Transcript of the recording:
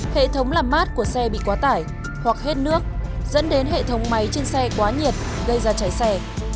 hệ thống làm mát của xe bị quá tải hoặc hết nước dẫn đến hệ thống máy trên xe quá nhiệt gây ra cháy xe